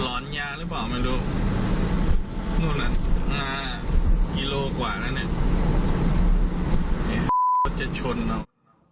ร้อนยาหรือเปล่าไม่รู้นั่นน่ะหน้าอีโลกว่านั่นน่ะไอ้จะชนอ่ะ